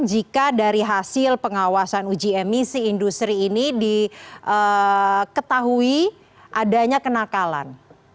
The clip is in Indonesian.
jika dari hasil pengawasan uji emisi industri ini diketahui adanya kenakalan